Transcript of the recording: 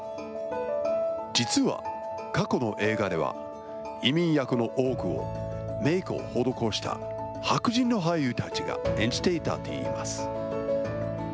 実は過去の映画では、移民役の多くを、メークを施した白人の俳優たちが演じていたといいます。